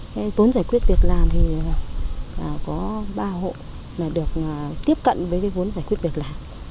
cái vốn giải quyết việc làm thì có ba hộ là được tiếp cận với cái vốn giải quyết việc làm